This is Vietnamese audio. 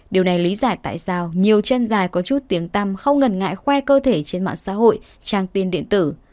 điều này lý giải tại sao nhiều chân dài có chút tiếng tăm không ngần ngại khoe cơ thể trên mạng xã hội trang tin điện tử